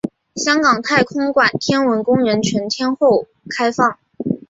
香港太空馆天文公园全天候开放。